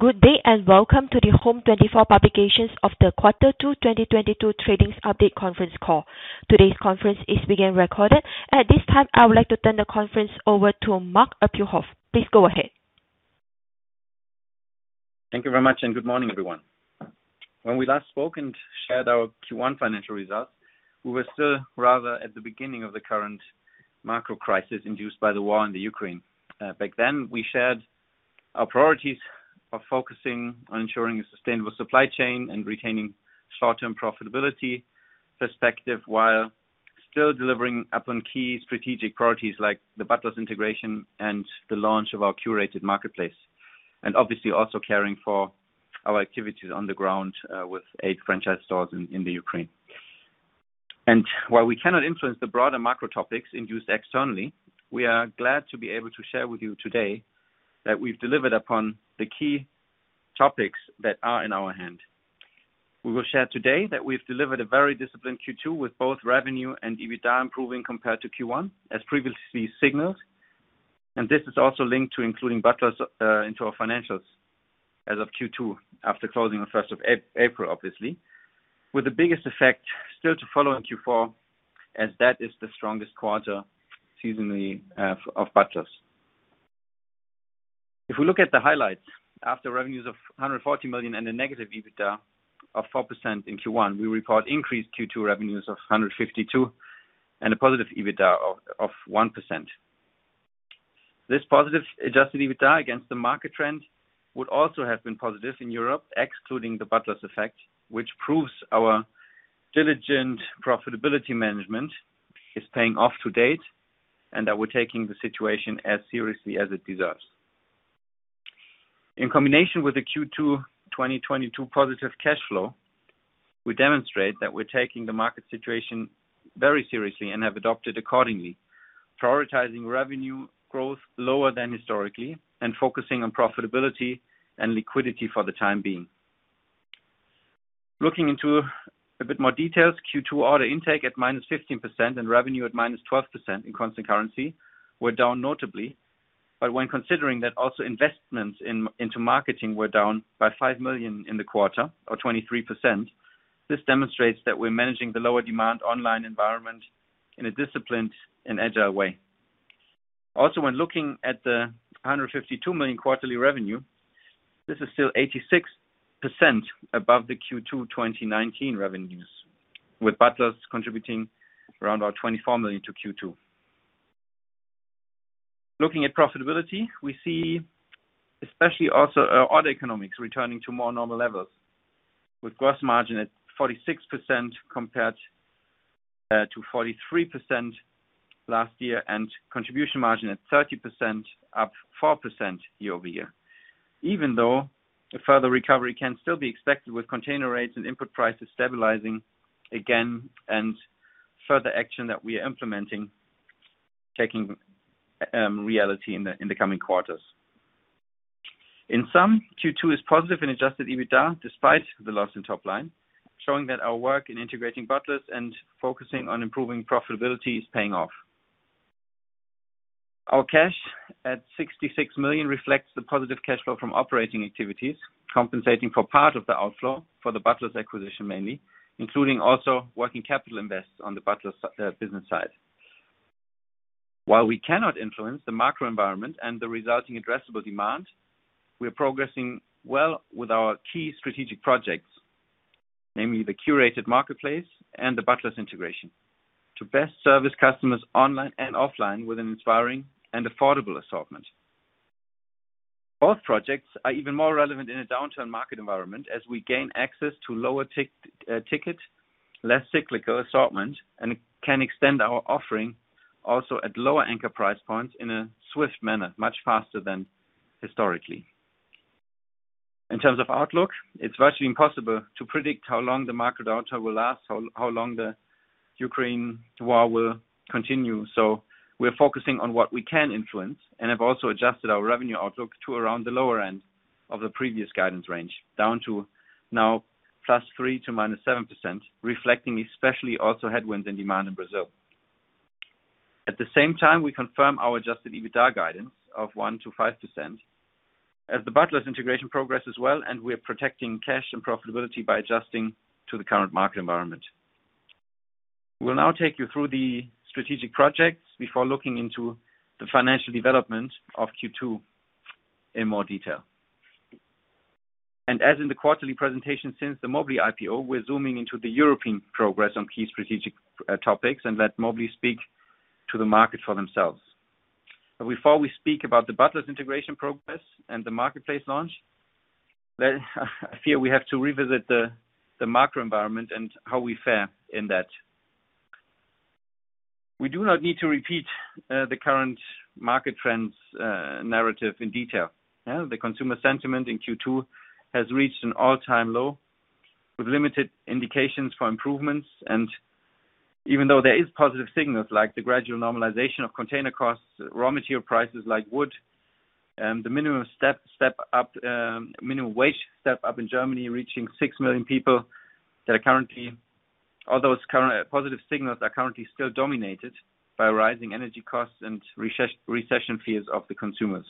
Good day and welcome to the home24 publication of the Quarter Two 2022 Trading Update conference call. Today's conference is being recorded. At this time, I would like to turn the conference over to Marc Appelhoff. Please go ahead. Thank you very much, and good morning, everyone. When we last spoke and shared our Q1 financial results, we were still rather at the beginning of the current macro crisis induced by the war in Ukraine. Back then, we shared our priorities of focusing on ensuring a sustainable supply chain and retaining short-term profitability perspective, while still delivering upon key strategic priorities like the Butlers integration and the launch of our curated marketplace. Obviously also caring for our activities on the ground, with eight franchise stores in Ukraine. While we cannot influence the broader macro topics induced externally, we are glad to be able to share with you today that we've delivered upon the key topics that are in our hand. We will share today that we've delivered a very disciplined Q2 with both revenue and EBITDA improving compared to Q1 as previously signaled. This is also linked to including Butlers into our financials as of Q2, after closing on first of April, obviously. With the biggest effect still to follow in Q4 as that is the strongest quarter seasonally of Butlers. If we look at the highlights after revenues of 140 million and a negative EBITDA of 4% in Q1, we report increased Q2 revenues of 152 million and a positive EBITDA of 1%. This positive Adjusted EBITDA against the market trend would also have been positive in Europe, excluding the Butlers effect, which proves our diligent profitability management is paying off to date, and that we're taking the situation as seriously as it deserves. In combination with the Q2 2022 positive cash flow, we demonstrate that we're taking the market situation very seriously and have adopted accordingly, prioritizing revenue growth lower than historically and focusing on profitability and liquidity for the time being. Looking into a bit more details, Q2 order intake at -15% and revenue at -12% in constant currency were down notably. When considering that also investments into marketing were down by 5 million in the quarter or 23%, this demonstrates that we're managing the lower demand online environment in a disciplined and agile way. Also, when looking at the 152 million quarterly revenue, this is still 86% above the Q2 2019 revenues, with Butlers contributing around about 24 million to Q2. Looking at profitability, we see especially also our order economics returning to more normal levels, with gross margin at 46% compared to 43% last year, and contribution margin at 30%, up 4% year-over-year. Even though a further recovery can still be expected with container rates and input prices stabilizing again and further action that we are implementing, taking effect in the coming quarters. In sum, Q2 is positive in Adjusted EBITDA despite the loss in top line, showing that our work in integrating Butlers and focusing on improving profitability is paying off. Our cash at 66 million reflects the positive cash flow from operating activities, compensating for part of the outflow for the Butlers acquisition mainly, including also working capital investments on the Butlers business side. While we cannot influence the macro environment and the resulting addressable demand, we are progressing well with our key strategic projects, namely the curated marketplace and the Butlers integration, to best service customers online and offline with an inspiring and affordable assortment. Both projects are even more relevant in a downturn market environment as we gain access to lower ticket, less cyclical assortment and can extend our offering also at lower anchor price points in a swift manner, much faster than historically. In terms of outlook, it's virtually impossible to predict how long the market downturn will last, how long the Ukraine war will continue. We're focusing on what we can influence and have also adjusted our revenue outlook to around the lower end of the previous guidance range, down to now +3% to -7%, reflecting especially also headwinds in demand in Brazil. At the same time, we confirm our Adjusted EBITDA guidance of 1%-5% as the Butlers integration progress as well, and we are protecting cash and profitability by adjusting to the current market environment. We'll now take you through the strategic projects before looking into the financial development of Q2 in more detail. As in the quarterly presentation since the Mobly IPO, we're zooming into the European progress on key strategic topics and let Mobly speak to the market for themselves. Before we speak about the Butlers integration progress and the marketplace launch, then I feel we have to revisit the macro environment and how we fare in that. We do not need to repeat the current market trends narrative in detail. Yeah. The consumer sentiment in Q2 has reached an all-time low with limited indications for improvements. Even though there is positive signals like the gradual normalization of container costs, raw material prices like wood, the minimum step up, minimum wage step up in Germany, reaching 6,000 People that are currently. All those current positive signals are currently still dominated by rising energy costs and recession fears of the consumers.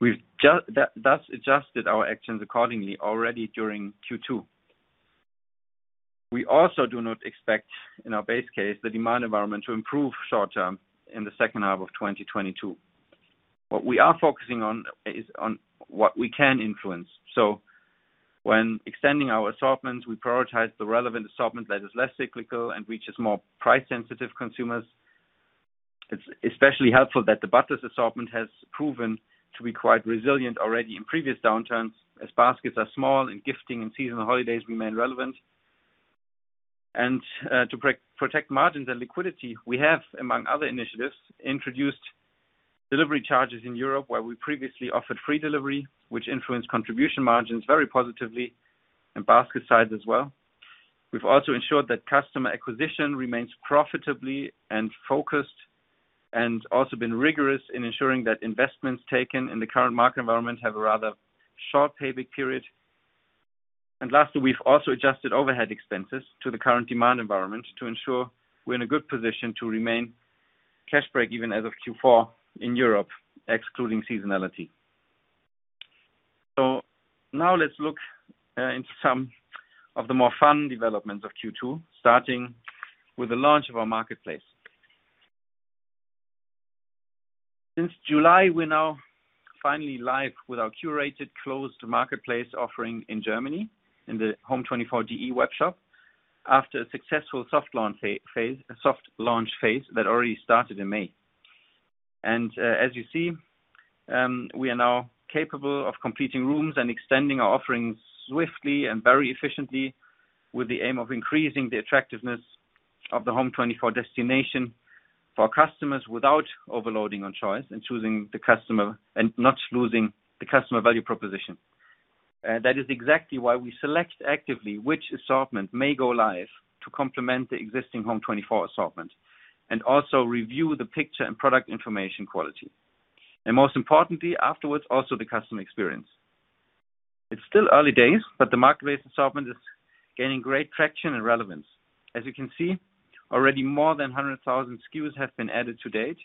We've thus adjusted our actions accordingly already during Q2. We also do not expect, in our base case, the demand environment to improve short term in the second half of 2022. What we are focusing on is on what we can influence. When extending our assortments, we prioritize the relevant assortment that is less cyclical and reaches more price sensitive consumers. It's especially helpful that the Butlers' assortment has proven to be quite resilient already in previous downturns, as baskets are small and gifting and seasonal holidays remain relevant. To protect margins and liquidity, we have, among other initiatives, introduced delivery charges in Europe, where we previously offered free delivery, which influenced contribution margins very positively and basket size as well. We've also ensured that customer acquisition remains profitable and focused, and also been rigorous in ensuring that investments taken in the current market environment have a rather short payback period. Lastly, we've also adjusted overhead expenses to the current demand environment to ensure we're in a good position to remain cash break even as of Q4 in Europe, excluding seasonality. Now let's look into some of the more fun developments of Q2, starting with the launch of our marketplace. Since July, we're now finally live with our curated closed marketplace offering in Germany in the home24.de webshop after a successful soft launch phase that already started in May. As you see, we are now capable of completing rooms and extending our offerings swiftly and very efficiently with the aim of increasing the attractiveness of the Home24 destination for customers without overloading on choice and confusing the customer and not losing the customer value proposition. That is exactly why we select actively which assortment may go live to complement the existing Home24 assortment and also review the picture and product information quality, and most importantly, afterwards, also the customer experience. It's still early days, but the marketplace assortment is gaining great traction and relevance. As you can see, already more than 100,000 SKUs have been added to date,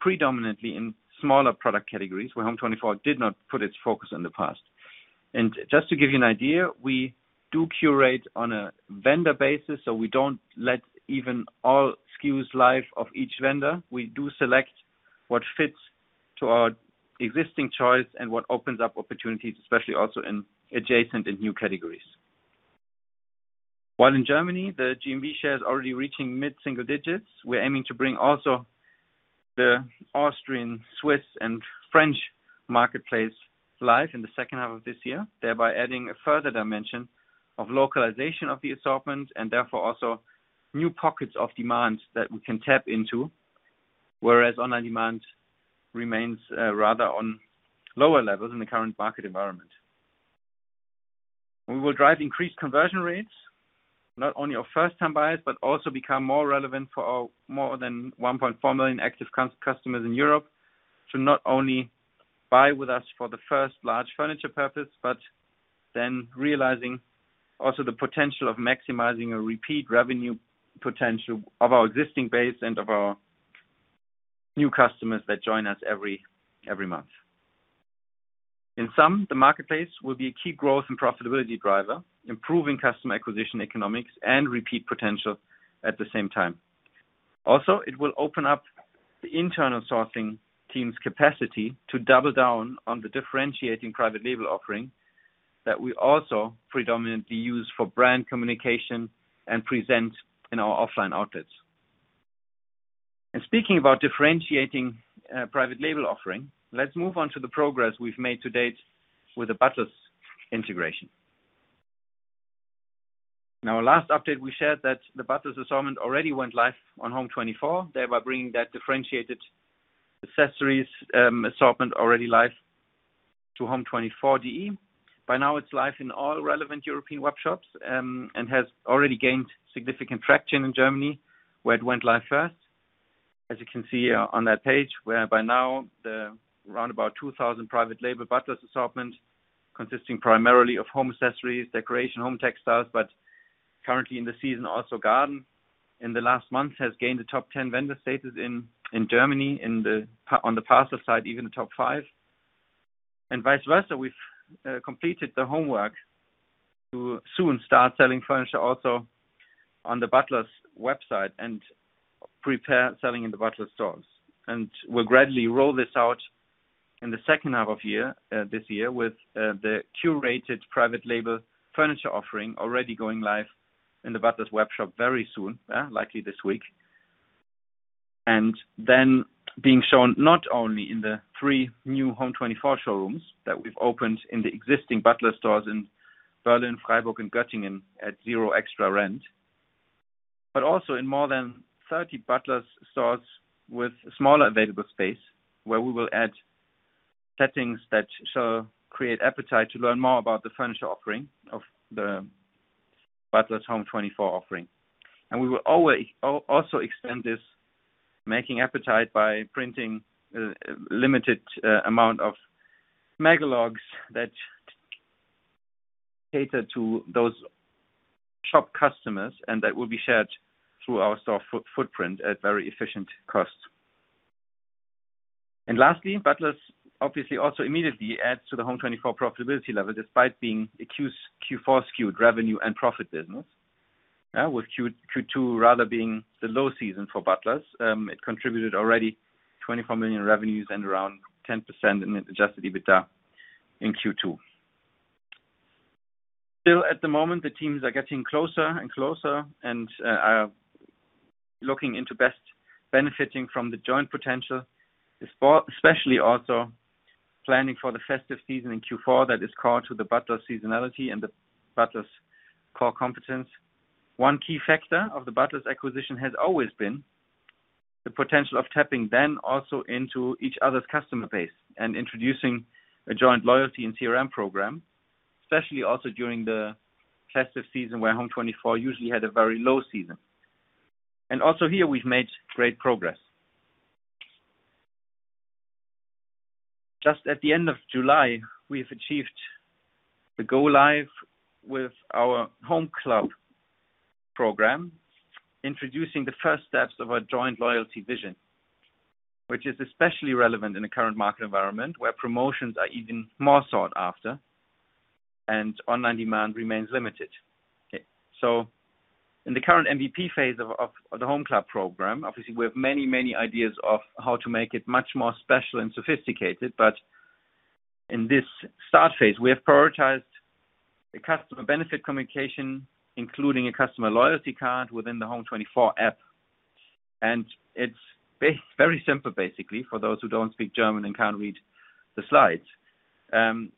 predominantly in smaller product categories where Home24 did not put its focus in the past. Just to give you an idea, we do curate on a vendor basis, so we don't let even all SKUs from each vendor. We do select what fits to our existing choice and what opens up opportunities, especially also in adjacent and new categories. While in Germany, the GMV share is already reaching mid-single digits. We're aiming to bring also the Austrian, Swiss and French marketplace live in the second half of this year, thereby adding a further dimension of localization of the assortment and therefore also new pockets of demand that we can tap into. Whereas demand remains rather at lower levels in the current market environment. We will drive increased conversion rates, not only of first time buyers, but also become more relevant for our more than 1.4 million active customers in Europe to not only buy with us for the first large furniture purpose, but then realizing also the potential of maximizing a repeat revenue potential of our existing base and of our new customers that join us every month. In sum, the marketplace will be a key growth and profitability driver, improving customer acquisition economics and repeat potential at the same time. Also, it will open up the internal sourcing team's capacity to double down on the differentiating private label offering that we also predominantly use for brand communication and present in our offline outlets. Speaking about differentiating, private label offering, let's move on to the progress we've made to date with the Butlers integration. In our last update, we shared that the Butlers assortment already went live on home24. They were bringing that differentiated accessories assortment already live to home24.de. By now it's live in all relevant European webshops, and has already gained significant traction in Germany, where it went live first. As you can see, on that page, where by now the roundabout 2,000 private label Butlers assortment, consisting primarily of home accessories, decoration, home textiles, but currently in the season also garden. In the last month has gained a top 10 vendor status in Germany, on the parcel side, even the top 5. Vice versa, we've completed the homework to soon start selling furniture also on the Butlers website and prepare selling in the Butlers stores. We'll gradually roll this out in the second half of this year with the curated private label furniture offering already going live in the Butlers webshop very soon, likely this week. Being shown not only in the 3 new home24 showrooms that we've opened in the existing Butlers stores in Berlin, Freiburg, and Göttingen at zero extra rent, but also in more than 30 Butlers stores with smaller available space, where we will add settings that shall create appetite to learn more about the furniture offering of the Butlers home24 offering. We will also expand this making appetite by printing a limited amount of catalogs that cater to those shop customers and that will be shared through our store footprint at very efficient costs. Lastly, Butlers obviously also immediately adds to the home24 profitability level despite being a Q4-skewed revenue and profit business. Yeah, with Q2 rather being the low season for Butlers, it contributed already 24 million revenues and around 10% in the Adjusted EBITDA in Q2. Still, at the moment, the teams are getting closer and closer and are looking into best benefiting from the joint potential, especially also planning for the festive season in Q4 that is core to the Butlers seasonality and the Butlers core competence. One key factor of the Butlers acquisition has always been the potential of tapping then also into each other's customer base and introducing a joint loyalty and CRM program, especially also during the festive season where home24 usually had a very low season. Also here, we've made great progress. Just at the end of July, we have achieved the go live with our homeCLUB program, introducing the first steps of our joint loyalty vision, which is especially relevant in the current market environment, where promotions are even more sought after and online demand remains limited. In the current MVP phase of the homeCLUB program, obviously, we have many ideas of how to make it much more special and sophisticated. In this start phase, we have prioritized the customer benefit communication, including a customer loyalty card within the home24 app. It's very simple, basically, for those who don't speak German and can't read the slides.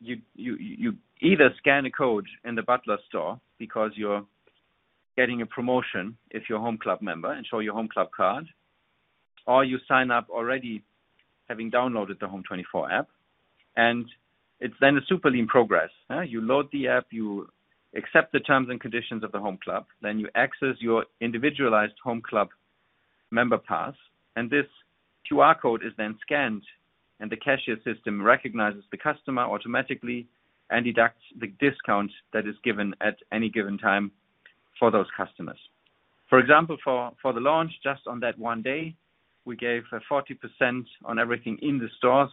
You either scan a code in the Butlers store because you're getting a promotion if you're a homeCLUB member and show your homeCLUB card, or you sign up already having downloaded the home24 app, and it's then a super lean process. You load the app, you accept the terms and conditions of the homeCLUB, then you access your individualized homeCLUB member pass, and this QR code is then scanned, and the cashier system recognizes the customer automatically and deducts the discount that is given at any given time for those customers. For example, for the launch, just on that one day, we gave 40% on everything in the stores.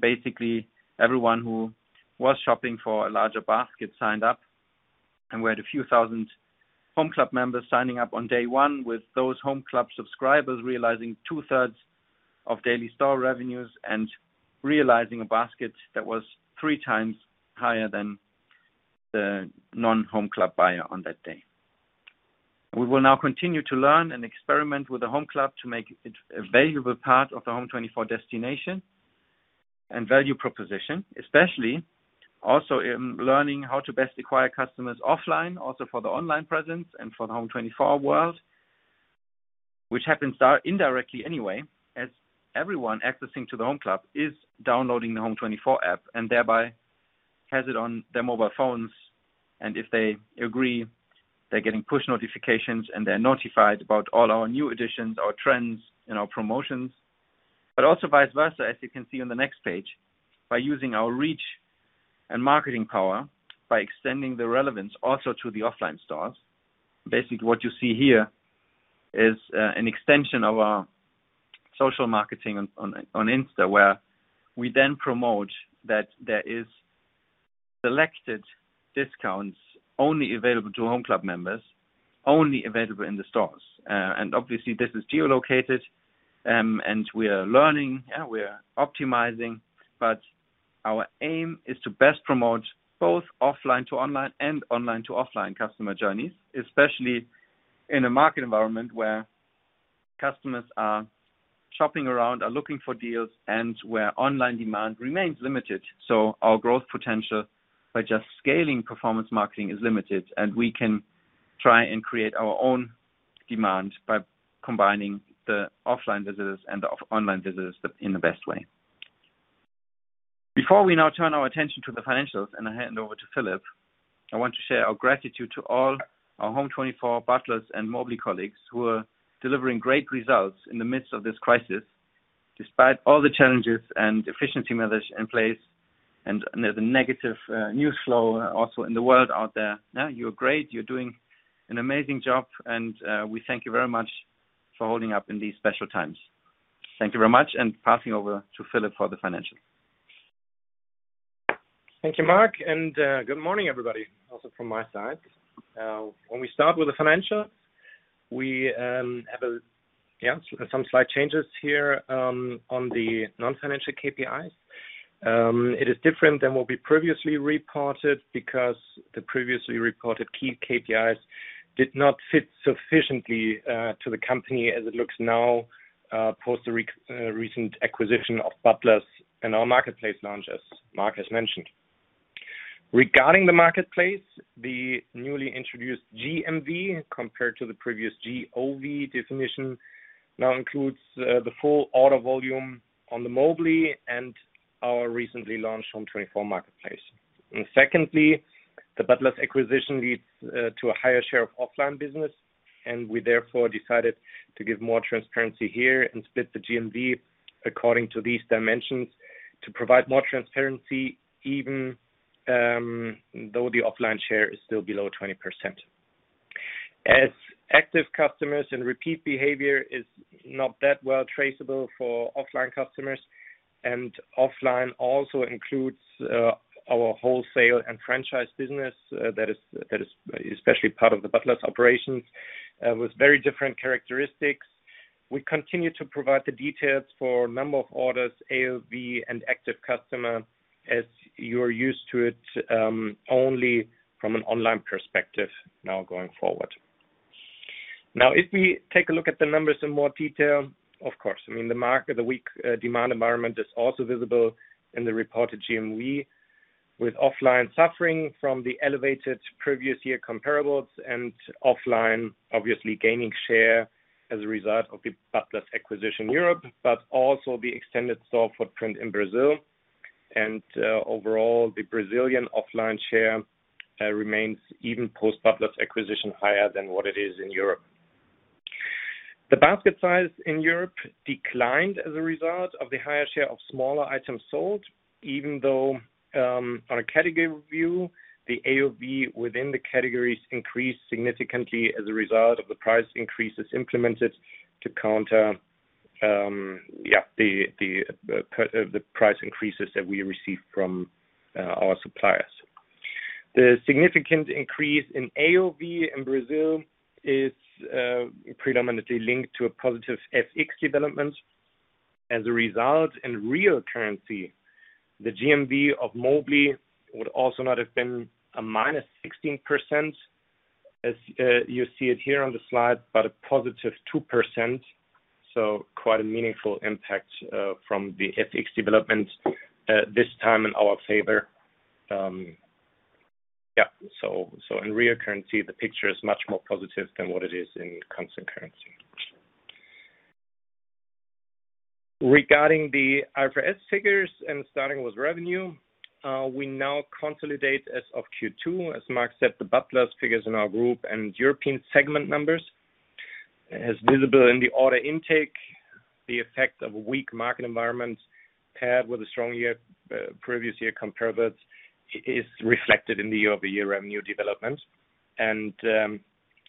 Basically everyone who was shopping for a larger basket signed up, and we had a few thousand homeCLUB members signing up on day one with those homeCLUB subscribers realizing two-thirds of daily store revenues and realizing a basket that was three times higher than the non-homeCLUB buyer on that day. We will now continue to learn and experiment with the homeCLUB to make it a valuable part of the home24 destination and value proposition, especially also in learning how to best acquire customers offline, also for the online presence and for the home24 world, which happens indirectly anyway as everyone accessing to the homeCLUB is downloading the home24 app and thereby has it on their mobile phones. If they agree, they're getting push notifications, and they're notified about all our new additions, our trends, and our promotions. Also vice versa, as you can see on the next page, by using our reach and marketing power by extending the relevance also to the offline stores. Basically, what you see here is an extension of our social marketing on Insta, where we then promote that there is selected discounts only available to homeCLUB members, only available in the stores. And obviously this is geolocated, and we are learning, we are optimizing. Our aim is to best promote both offline to online and online to offline customer journeys, especially in a market environment where customers are shopping around, are looking for deals and where online demand remains limited. Our growth potential by just scaling performance marketing is limited, and we can try and create our own demand by combining the offline visitors and the online visitors in the best way. Before we now turn our attention to the financials and I hand over to Philipp, I want to share our gratitude to all our home24 Butlers and Mobly colleagues who are delivering great results in the midst of this crisis, despite all the challenges and efficiency measures in place, and there's a negative news flow also in the world out there. Yeah, you're great. You're doing an amazing job, and we thank you very much for holding up in these special times. Thank you very much and passing over to Philipp for the financials. Thank you, Marc, and good morning, everybody, also from my side. When we start with the financials, we have a yeah, some slight changes here on the non-financial KPIs. It is different than what we previously reported because the previously reported key KPIs did not fit sufficiently to the company as it looks now post the recent acquisition of Butlers and our marketplace launch, as Marc has mentioned. Regarding the marketplace, the newly introduced GMV, compared to the previous GOV definition, now includes the full order volume on the Mobly and our recently launched home24 marketplace. Secondly, the Butlers acquisition leads to a higher share of offline business, and we therefore decided to give more transparency here and split the GMV according to these dimensions to provide more transparency, even though the offline share is still below 20%. As active customers and repeat behavior is not that well traceable for offline customers, and offline also includes our wholesale and franchise business, that is especially part of the Butlers operations, with very different characteristics. We continue to provide the details for number of orders, AOV, and active customer as you're used to it, only from an online perspective now going forward. Now, if we take a look at the numbers in more detail, of course, I mean, the market, the weak demand environment is also visible in the reported GMV, with offline suffering from the elevated previous year comparables and offline obviously gaining share as a result of the Butlers acquisition Europe, but also the extended store footprint in Brazil. Overall, the Brazilian offline share remains even post Butlers acquisition higher than what it is in Europe. The basket size in Europe declined as a result of the higher share of smaller items sold, even though on a category view, the AOV within the categories increased significantly as a result of the price increases implemented to counter the price increases that we received from our suppliers. The significant increase in AOV in Brazil is predominantly linked to a positive FX development. As a result, in real currency, the GMV of Mobly would also not have been a -16%, as you see it here on the slide, but a +2%. Quite a meaningful impact from the FX development this time in our favor. In real currency, the picture is much more positive than what it is in constant currency. Regarding the IFRS figures and starting with revenue, we now consolidate as of Q2, as Marc said, the Butlers figures in our group and European segment numbers. As visible in the order intake, the effect of weak market environments paired with a strong year previous year comparables is reflected in the year-over-year revenue development. In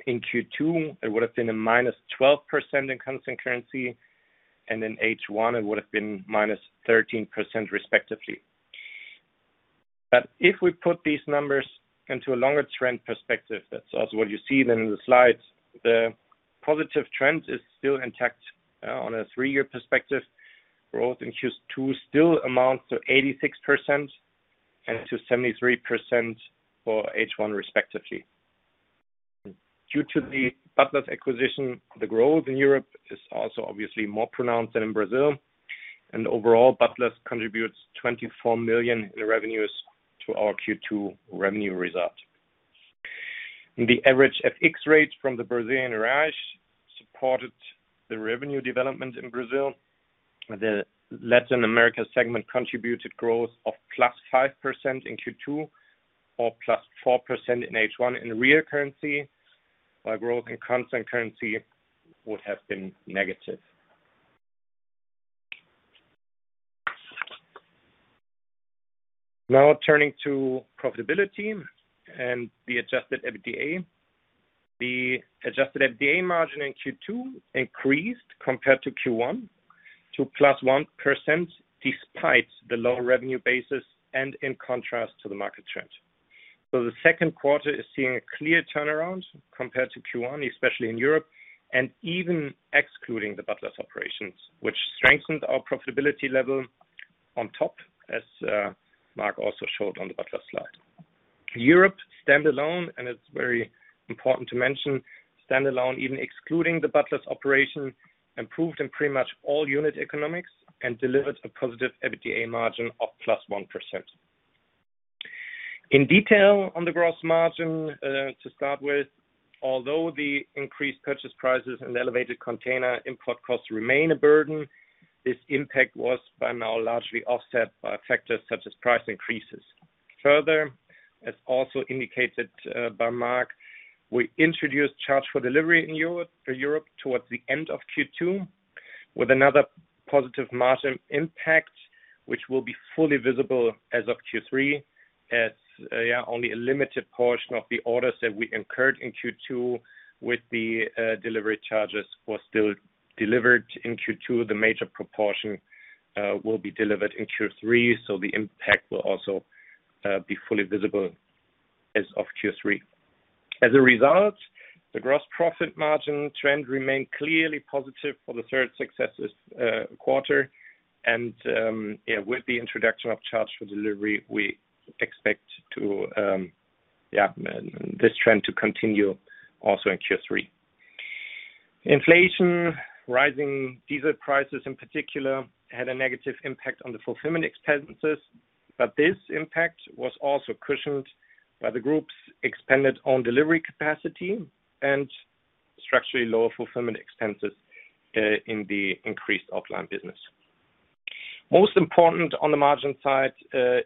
Q2, it would have been -12% in constant currency, and in H1, it would have been -13% respectively. If we put these numbers into a longer trend perspective, that's also what you see then in the slides, the positive trend is still intact. On a three-year perspective, growth in Q2 still amounts to 86% and to 73% for H1 respectively. Due to the Butlers acquisition, the growth in Europe is also obviously more pronounced than in Brazil. Overall, Butlers contributes 24 million in revenues to our Q2 revenue result. The average FX rates from the Brazilian reais supported the revenue development in Brazil. The Latin America segment contributed growth of +5% in Q2 or +4% in H1 in real currency, while growth in constant currency would have been negative. Now turning to profitability and the Adjusted EBITDA. The Adjusted EBITDA margin in Q2 increased compared to Q1 to 1% despite the lower revenue basis and in contrast to the market trend. The second quarter is seeing a clear turnaround compared to Q1, especially in Europe and even excluding the Butlers operations, which strengthened our profitability level on top, as Marc also showed on the Butlers slide. Europe standalone, and it's very important to mention standalone, even excluding the Butlers operation, improved in pretty much all unit economics and delivered a positive EBITDA margin of 1%. In detail on the gross margin, to start with, although the increased purchase prices and elevated container input costs remain a burden, this impact was by now largely offset by factors such as price increases. Further, as also indicated by Marc, we introduced charge for delivery in Europe, for Europe towards the end of Q2 with another positive margin impact, which will be fully visible as of Q3, as only a limited portion of the orders that we incurred in Q2 with the delivery charges were still delivered in Q2. The major proportion will be delivered in Q3, so the impact will also be fully visible as of Q3. As a result, the gross profit margin trend remained clearly positive for the third successive quarter. With the introduction of charge for delivery, we expect this trend to continue also in Q3. Inflation, rising diesel prices in particular, had a negative impact on the fulfillment expenses, but this impact was also cushioned by the group's expanded own delivery capacity and structurally lower fulfillment expenses in the increased offline business. Most important on the margin side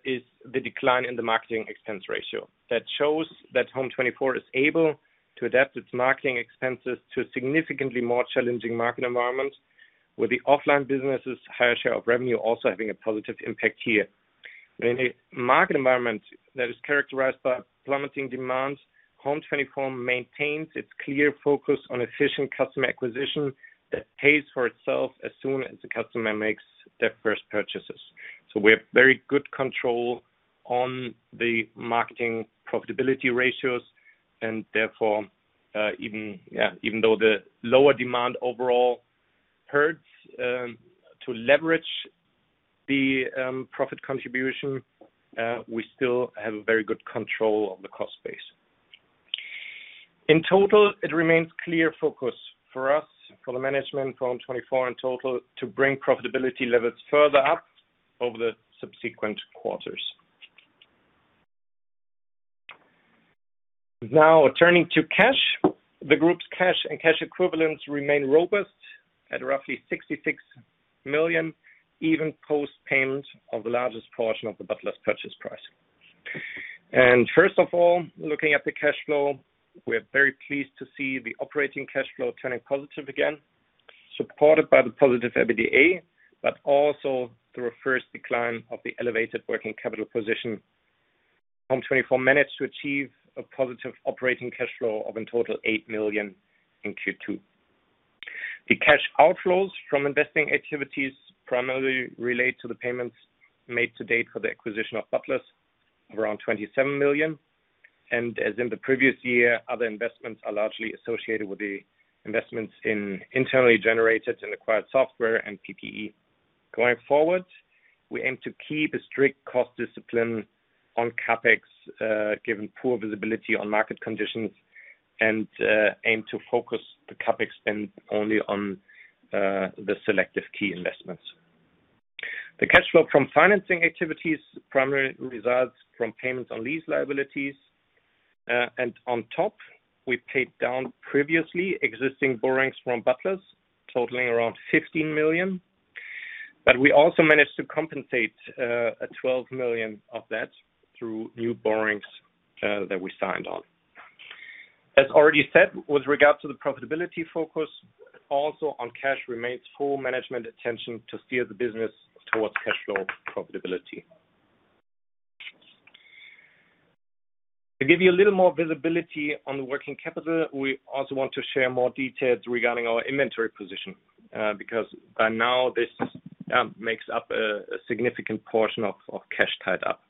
is the decline in the marketing expense ratio. That shows that home24 is able to adapt its marketing expenses to a significantly more challenging market environment, with the offline business' higher share of revenue also having a positive impact here. In a market environment that is characterized by plummeting demands, home24 maintains its clear focus on efficient customer acquisition that pays for itself as soon as the customer makes their first purchases. We have very good control on the marketing profitability ratios and therefore, even though the lower demand overall hurts to leverage the profit contribution, we still have very good control on the cost base. In total, it remains clear focus for us, for the management of home24 in total, to bring profitability levels further up over the subsequent quarters. Now, turning to cash. The group's cash and cash equivalents remain robust at roughly 66 million, even post-payment of the largest portion of the Butlers purchase price. First of all, looking at the cash flow, we're very pleased to see the operating cash flow turning positive again, supported by the positive EBITDA, but also through a first decline of the elevated working capital position. home24 managed to achieve a positive operating cash flow of in total 8 million in Q2. The cash outflows from investing activities primarily relate to the payments made to date for the acquisition of Butlers of around 27 million. As in the previous year, other investments are largely associated with the investments in internally generated and acquired software and PPE. Going forward, we aim to keep a strict cost discipline on CapEx, given poor visibility on market conditions and aim to focus the CapEx spend only on the selective key investments. The cash flow from financing activities primarily results from payments on lease liabilities. On top, we paid down previously existing borrowings from Butlers totaling around 15 million. We also managed to compensate 12 million of that through new borrowings that we signed on. As already said, with regard to the profitability focus, also on cash remains full management attention to steer the business towards cash flow profitability. To give you a little more visibility on the working capital, we also want to share more details regarding our inventory position, because by now this makes up a significant portion of cash tied up.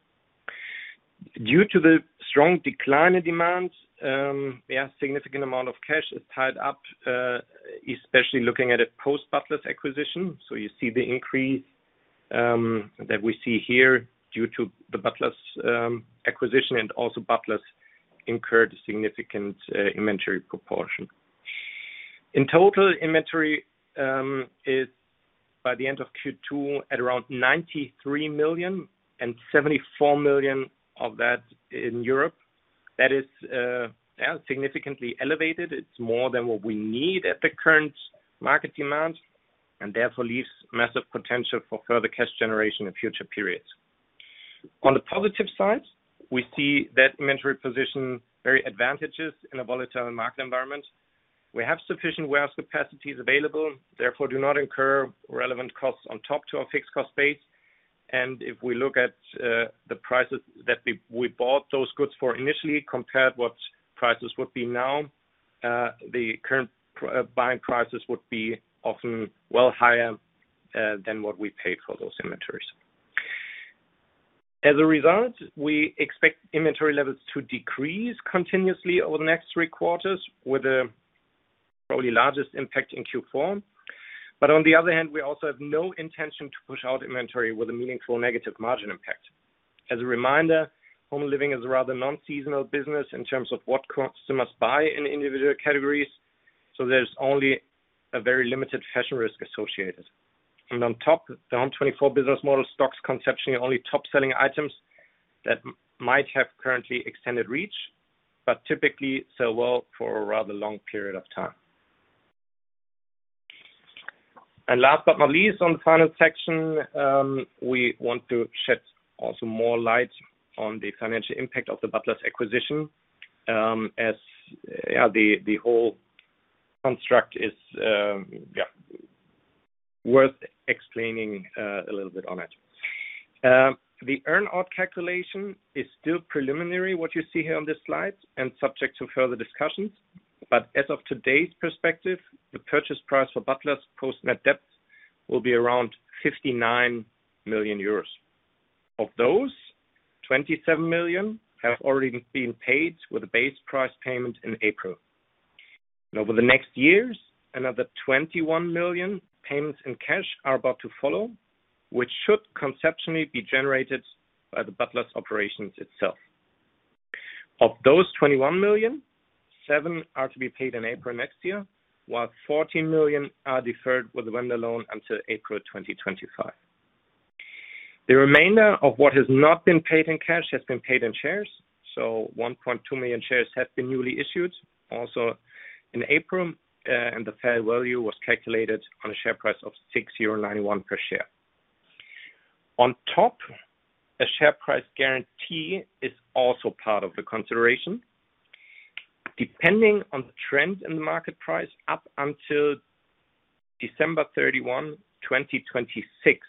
Due to the strong decline in demands, a significant amount of cash is tied up, especially looking at it post Butlers acquisition. You see the increase that we see here due to the Butlers acquisition and also Butlers incurred a significant inventory proportion. In total, inventory is by the end of Q2 at around 93 million and 74 million of that in Europe. That is significantly elevated. It's more than what we need at the current market demand and therefore leaves massive potential for further cash generation in future periods. On the positive side, we see that inventory position very advantageous in a volatile market environment. We have sufficient warehouse capacities available, therefore do not incur relevant costs on top to our fixed cost base. If we look at the prices that we bought those goods for initially compared what prices would be now, the current buying prices would be often well higher than what we paid for those inventories. As a result, we expect inventory levels to decrease continuously over the next three quarters with a probably largest impact in Q4. On the other hand, we also have no intention to push out inventory with a meaningful negative margin impact. As a reminder, Home Living is a rather non-seasonal business in terms of what consumers buy in individual categories, so there's only a very limited fashion risk associated. On top, the home24 business model stocks conceptually only top-selling items that might have currently extended reach, but typically sell well for a rather long period of time. Last but not least, on the final section, we want to shed also more light on the financial impact of the Butlers acquisition, as the whole construct is worth explaining a little bit on it. The earn-out calculation is still preliminary, what you see here on this slide, and subject to further discussions. As of today's perspective, the purchase price for Butlers post-net debt will be around 59 million euros. Of those, 27 million have already been paid with a base price payment in April. Over the next years, another 21 million payments in cash are about to follow, which should conceptually be generated by the Butlers operations itself. Of those 21 million, 7 million are to be paid in April next year, while 14 million are deferred with the vendor loan until April 2025. The remainder of what has not been paid in cash has been paid in shares. One point two million shares have been newly issued also in April, and the fair value was calculated on a share price of 60.91 per share. On top, a share price guarantee is also part of the consideration. Depending on the trend in the market price, up until December 31, 2026,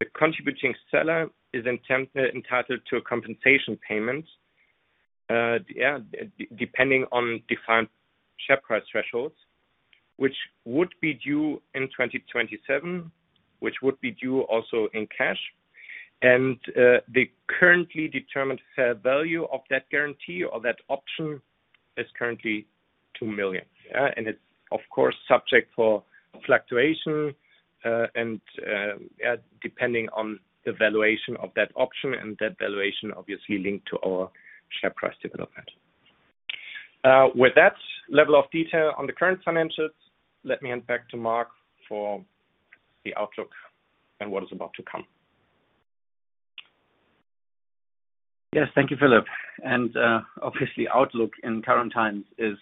the contributing seller is entitled to a compensation payment, depending on defined share price thresholds, which would be due in 2027 also in cash. The currently determined fair value of that guarantee or that option is currently 2 million. It's of course subject to fluctuation, and depending on the valuation of that option and that valuation obviously linked to our share price development. With that level of detail on the current finances, let me hand back to Marc Appelhoff for the outlook and what is about to come. Yes. Thank you, Philipp. Obviously outlook in current times is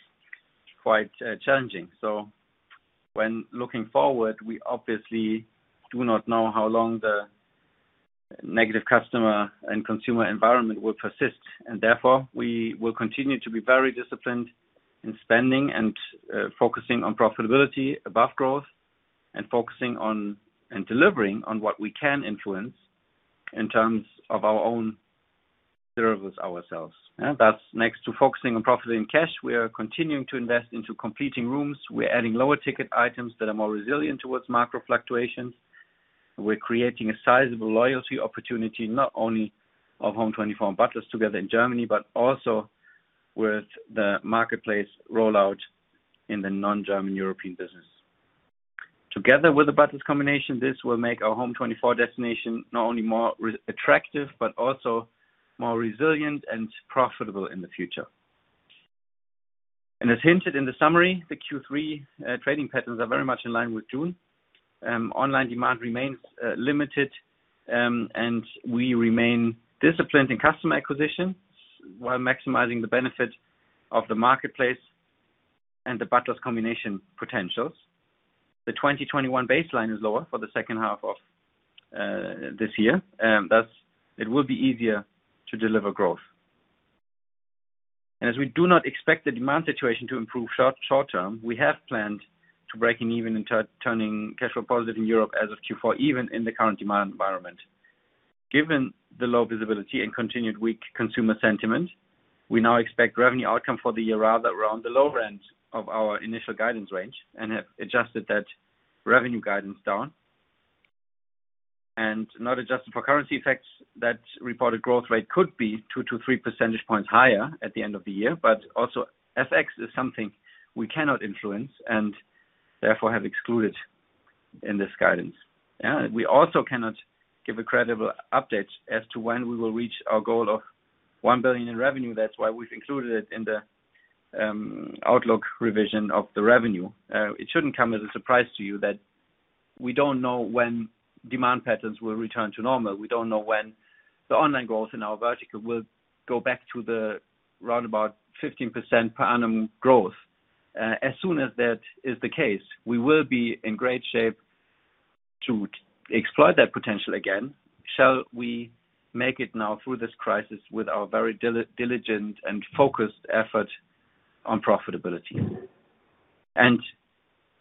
quite challenging. When looking forward, we obviously do not know how long the negative customer and consumer environment will persist, and therefore, we will continue to be very disciplined in spending and focusing on profitability above growth and focusing on and delivering on what we can influence in terms of our own services ourselves. That's next to focusing on profit and cash, we are continuing to invest into completing rooms. We're adding lower ticket items that are more resilient towards macro fluctuations. We're creating a sizable loyalty opportunity, not only of Home24 and Butlers together in Germany, but also with the marketplace rollout in the non-German European business. Together with the Butlers combination, this will make our Home24 destination not only more attractive, but also more resilient and profitable in the future. As hinted in the summary, the Q3 trading patterns are very much in line with June. Online demand remains limited, and we remain disciplined in customer acquisition while maximizing the benefit of the marketplace and the Butlers combination potentials. The 2021 baseline is lower for the second half of this year. Thus, it will be easier to deliver growth. As we do not expect the demand situation to improve short-term, we have planned to break even and turn cash flow positive in Europe as of Q4, even in the current demand environment. Given the low visibility and continued weak consumer sentiment, we now expect revenue outcome for the year rather around the low end of our initial guidance range and have adjusted that revenue guidance down. Not adjusted for currency effects, that reported growth rate could be 2-3 percentage points higher at the end of the year, but also FX is something we cannot influence and therefore have excluded in this guidance. Yeah. We also cannot give a credible update as to when we will reach our goal of 1 billion in revenue. That's why we've included it in the outlook revision of the revenue. It shouldn't come as a surprise to you that we don't know when demand patterns will return to normal. We don't know when the online growth in our vertical will go back to the roundabout 15% per annum growth. As soon as that is the case, we will be in great shape to exploit that potential again, shall we make it now through this crisis with our very diligent and focused effort on profitability.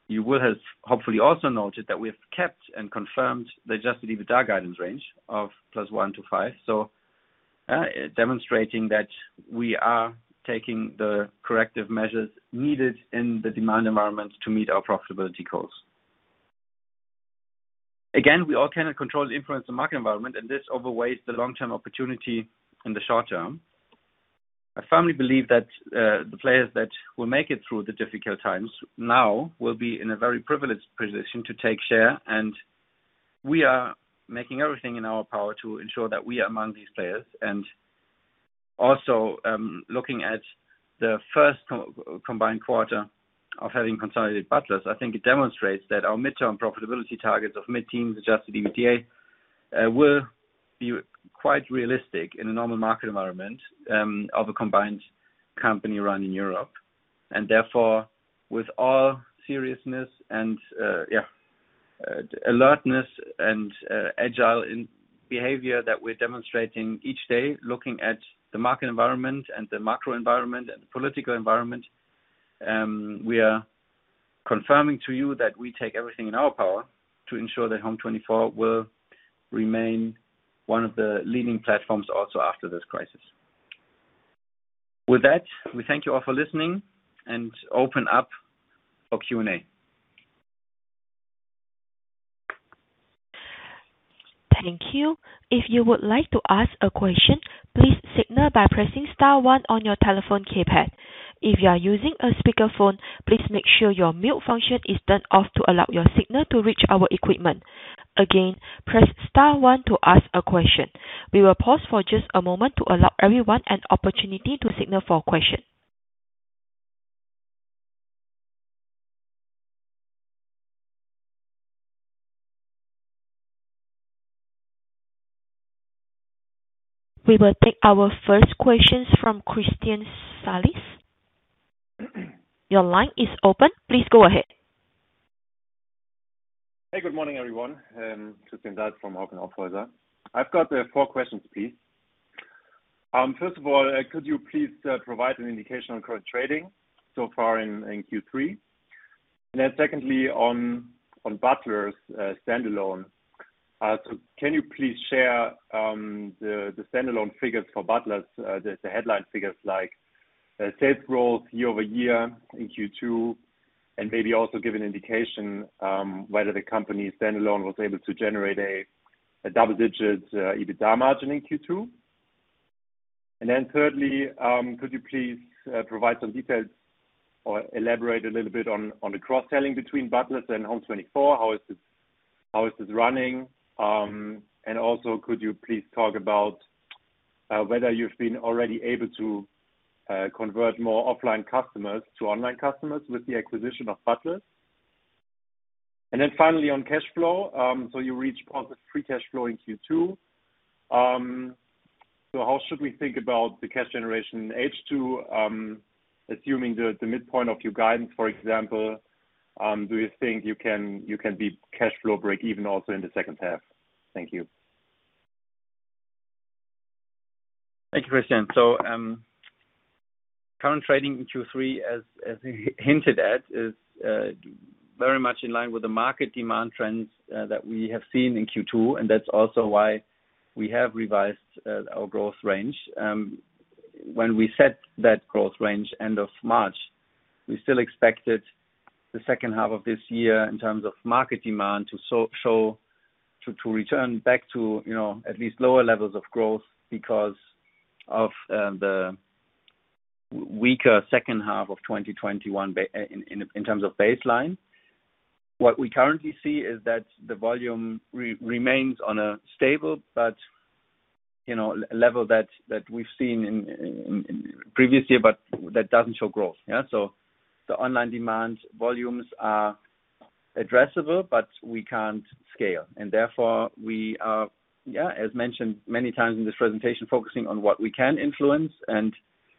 You will have hopefully also noted that we have kept and confirmed the Adjusted EBITDA guidance range of +1-5. Demonstrating that we are taking the corrective measures needed in the demand environment to meet our profitability goals. Again, we all cannot control or influence the market environment, and this outweighs the long-term opportunity in the short term. I firmly believe that the players that will make it through the difficult times now will be in a very privileged position to take share, and we are making everything in our power to ensure that we are among these players. Looking at the first combined quarter of having consolidated Butlers, I think it demonstrates that our midterm profitability targets of mid-teens% adjusted EBITDA will be quite realistic in a normal market environment of a combined company run in Europe. Therefore, with all seriousness and alertness and agile in behavior that we're demonstrating each day, looking at the market environment and the macro environment and the political environment, we are confirming to you that we take everything in our power to ensure that home24 will remain one of the leading platforms also after this crisis. With that, we thank you all for listening and open up for Q&A. Thank you. If you would like to ask a question, please signal by pressing star one on your telephone keypad. If you are using a speaker phone, please make sure your mute function is turned off to allow your signal to reach our equipment. Again, press star one to ask a question. We will pause for just a moment to allow everyone an opportunity to signal for a question. We will take our first questions from Christian Salis. Your line is open. Please go ahead. Hey, good morning, everyone. Christian Salis from Hauck & Aufhäuser. I've got four questions, please. First of all, could you please provide an indication on current trading so far in Q3? Secondly, on Butlers standalone, so can you please share the standalone figures for Butlers, the headline figures like sales growth year-over-year in Q2, and maybe also give an indication whether the company standalone was able to generate a double-digit EBITDA margin in Q2. Thirdly, could you please provide some details or elaborate a little bit on the cross-selling between Butlers and home24? How is this running? Also, could you please talk about whether you've been already able to convert more offline customers to online customers with the acquisition of Butlers? Finally, on cash flow, so you reached positive free cash flow in Q2. So how should we think about the cash generation in H2, assuming the midpoint of your guidance, for example, do you think you can be cash flow breakeven also in the second half? Thank you. Thank you, Christian. Current trading in Q3, as we hinted at, is very much in line with the market demand trends that we have seen in Q2, and that's also why we have revised our growth range. When we set that growth range end of March, we still expected the second half of this year in terms of market demand to show, to return back to, you know, at least lower levels of growth because of the weaker second half of 2021 in terms of baseline. What we currently see is that the volume remains on a stable, but, you know, a level that we've seen in previous year, but that doesn't show growth. Yeah. The online demand volumes are addressable, but we can't scale. Therefore, we are, as mentioned many times in this presentation, focusing on what we can influence, and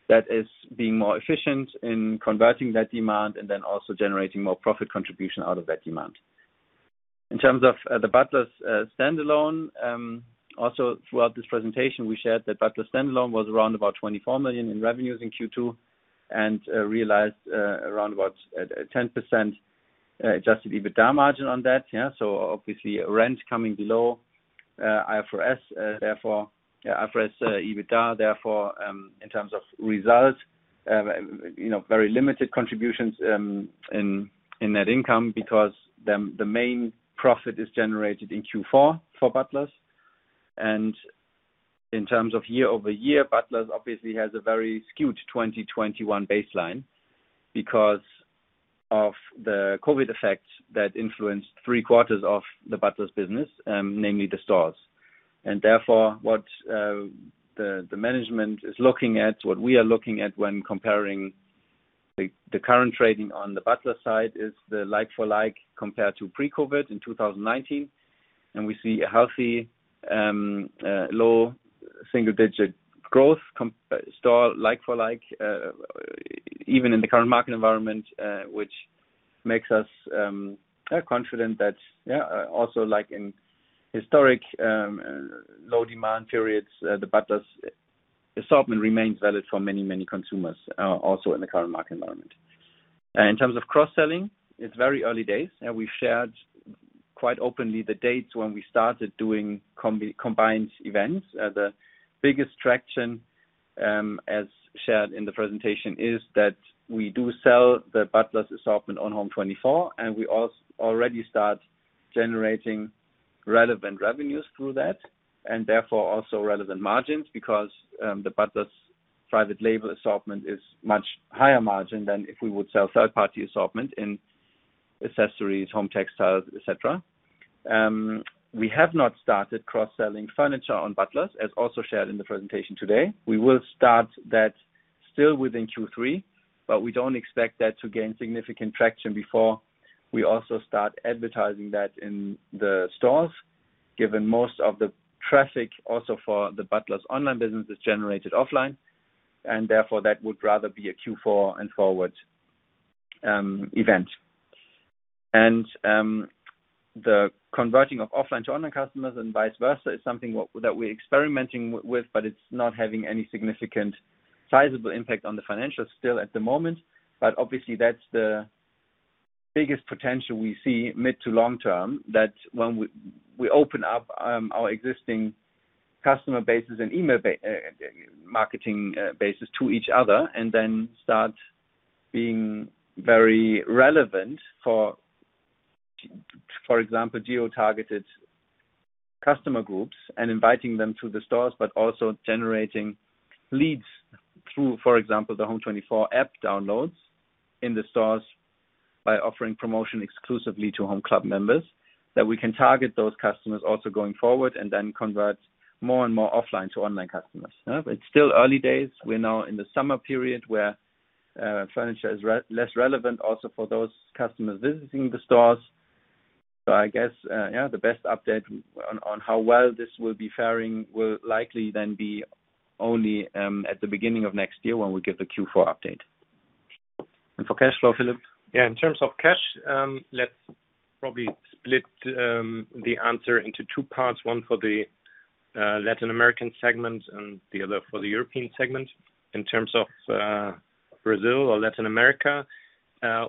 that is being more efficient in converting that demand and then also generating more profit contribution out of that demand. In terms of the Butlers standalone, also throughout this presentation, we shared that Butlers standalone was around about 24 million in revenues in Q2 and realized around about 10% adjusted EBITDA margin on that. Obviously, rent coming below IFRS, therefore IFRS EBITDA, therefore, in terms of results, you know, very limited contributions in net income because the main profit is generated in Q4 for Butlers. In terms of year-over-year, Butlers obviously has a very skewed 2021 baseline because of the COVID effects that influenced three-quarters of the Butlers business, namely the stores. Therefore, what the management is looking at, what we are looking at when comparing the current trading on the Butlers side is the like-for-like compared to pre-COVID in 2019. We see a healthy low single digit growth store like-for-like even in the current market environment, which makes us confident that also like in historic low demand periods the Butlers assortment remains valid for many consumers also in the current market environment. In terms of cross-selling, it's very early days. We've shared quite openly the dates when we started doing combined events. The biggest traction, as shared in the presentation, is that we do sell the Butlers assortment on home24, and we already start generating relevant revenues through that, and therefore, also relevant margins because the Butlers private label assortment is much higher margin than if we would sell third-party assortment in accessories, home textiles, et cetera. We have not started cross-selling furniture on Butlers, as also shared in the presentation today. We will start that still within Q3, but we don't expect that to gain significant traction before we also start advertising that in the stores, given most of the traffic also for the Butlers online business is generated offline, and therefore, that would rather be a Q4 and forward event. The converting of offline to online customers and vice versa is something that we're experimenting with, but it's not having any significant sizable impact on the financials still at the moment. Obviously, that's the biggest potential we see mid to long term, that when we open up our existing customer bases and email and marketing bases to each other and then start being very relevant for example, geo-targeted customer groups and inviting them to the stores, but also generating leads through, for example, the home24 app downloads in the stores by offering promotion exclusively to homeCLUB members. That we can target those customers also going forward and then convert more and more offline to online customers. It's still early days. We're now in the summer period where furniture is less relevant also for those customers visiting the stores. I guess, yeah, the best update on how well this will be faring will likely then be only at the beginning of next year when we give the Q4 update. For cash flow, Philipp? Yeah, in terms of cash, let's probably split the answer into two parts. One for the Latin American segment and the other for the European segment. In terms of Brazil or Latin America,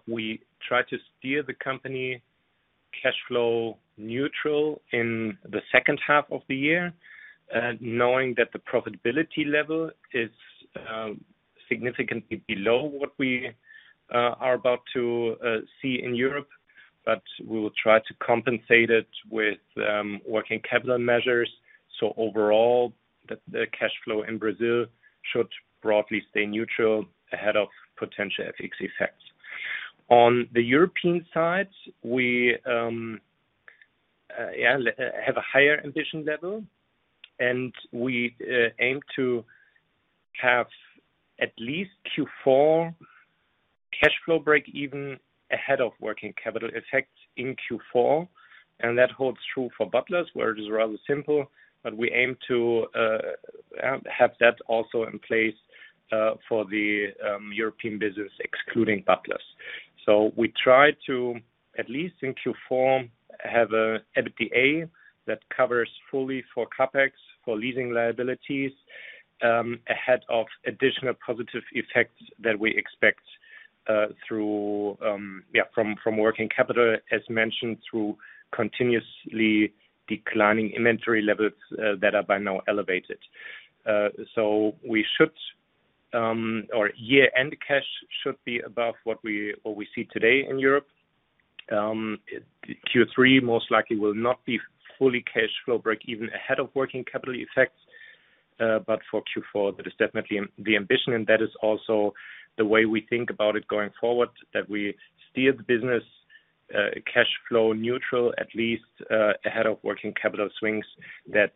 we try to steer the company cash flow neutral in the second half of the year, knowing that the profitability level is significantly below what we are about to see in Europe. We will try to compensate it with working capital measures. Overall, the cash flow in Brazil should broadly stay neutral ahead of potential FX effects. On the European side, we have a higher ambition level, and we aim to have at least Q4 cash flow break even ahead of working capital effects in Q4. That holds true for Butlers, where it is rather simple, but we aim to have that also in place for the European business, excluding Butlers. We try to, at least in Q4, have an EBITDA that covers fully for CapEx, for leasing liabilities, ahead of additional positive effects that we expect through from working capital, as mentioned, through continuously declining inventory levels that are by now elevated. Year-end cash should be above what we see today in Europe. Q3 most likely will not be fully cash flow breakeven ahead of working capital effects. For Q4, that is definitely the ambition, and that is also the way we think about it going forward, that we steer the business cash flow neutral at least ahead of working capital swings that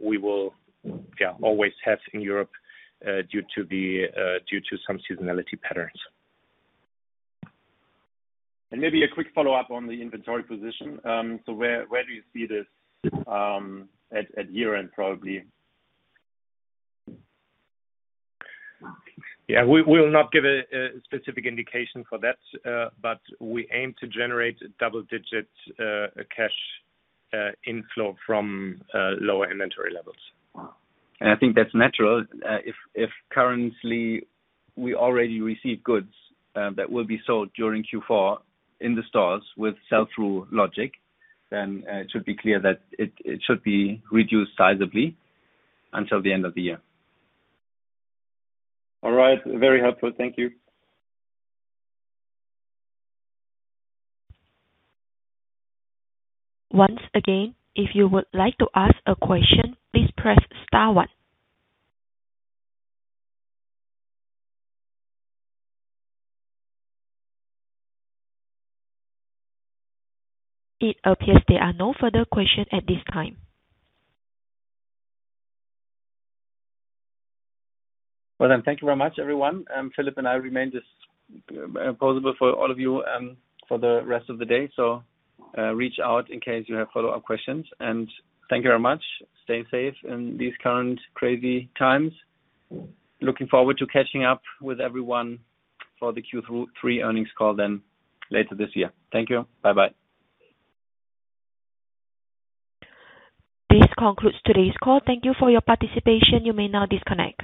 we will always have in Europe due to some seasonality patterns. Maybe a quick follow-up on the inventory position. Where do you see this at year-end, probably? We will not give a specific indication for that, but we aim to generate double-digit cash inflow from lower inventory levels. I think that's natural. If currently we already receive goods that will be sold during Q4 in the stores with sell-through logic, then it should be clear that it should be reduced sizably until the end of the year. All right. Very helpful. Thank you. Once again, if you would like to ask a question, please press star one. It appears there are no further questions at this time. Well, thank you very much, everyone. Philipp and I remain just available for all of you for the rest of the day. Reach out in case you have follow-up questions. Thank you very much. Stay safe in these current crazy times. Looking forward to catching up with everyone for the Q3 earnings call then later this year. Thank you. Bye-bye. This concludes today's call. Thank you for your participation. You may now disconnect.